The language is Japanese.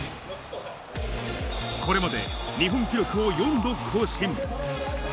これまで日本記録を４度更新。